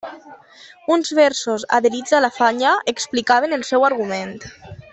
Uns versos adherits a la falla explicaven el seu argument.